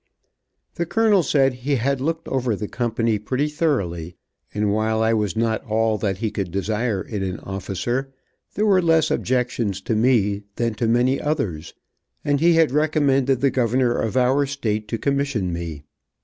The colonel said he had looked over the company pretty thoroughly, and while I was not all that he could desire in an officer, there were less objections to me than to many others, and he had recommended the governor of our state to commission me.